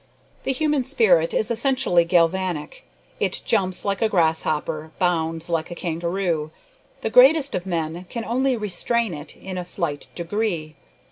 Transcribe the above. The human spirit is essentially galvanic. It jumps like a grasshopper, bounds like a kangaroo. The greatest of men can only restrain it in a slight degree.